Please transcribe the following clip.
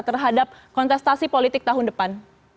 terhadap kontestasi politik tahun depan